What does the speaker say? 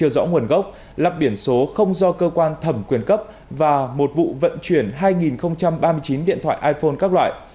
rõ nguồn gốc lập biển số không do cơ quan thẩm quyền cấp và một vụ vận chuyển hai ba mươi chín điện thoại iphone các loại